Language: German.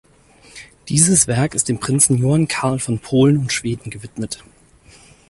Dieses Werk ist dem Prinzen Johann Karl von Polen und Schweden gewidmet.